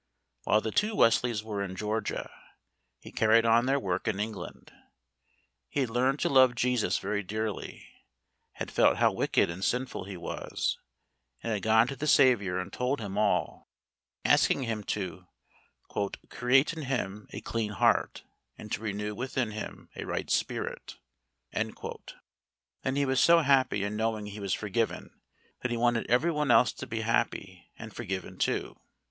While the two Wesleys were in Georgia, he carried on their work in England. He had learnt to love Jesus very dearly, had felt how wicked and sinful he was, and had gone to the Saviour and told Him all, asking Him to "Create in him a clean heart, and to renew within him a right spirit." Then he was so happy in knowing he was forgiven, that he wanted every one else to be happy and forgiven too.